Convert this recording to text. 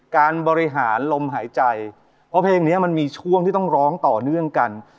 การบริหารลมหายใจเพราะเพลงนี้มันมีช่วงที่ต้องร้องต่อเนื่องกัน